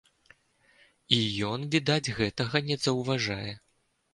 І ён, відаць, гэтага не заўважае.